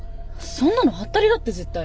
そんなのハッタリだって絶対。